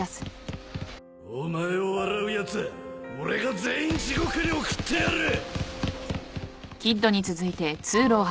お前を笑うやつは俺が全員地獄に送ってやる！